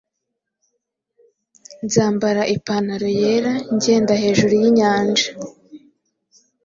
Nzambara ipantaro yera ngenda hejuru yinyanja